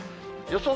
予想